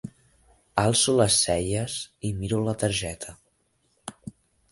Alço les celles i miro la targeta.